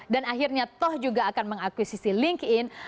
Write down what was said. dan akhirnya toh juga akan mengakuisisi linkedin